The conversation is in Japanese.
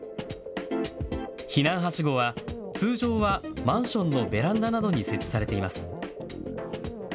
避難はしごは通常はマンションのベランダなどに設置されています。